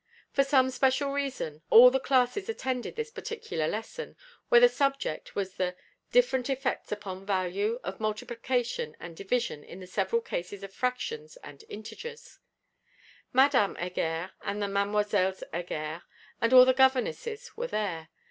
For some special reason, all the classes attended this particular lesson; where the subject was the Different effects upon value, of multiplication and division in the several cases of fractions and integers. Madame Heger and the Mesdemoiselles Heger, and all the governesses were there.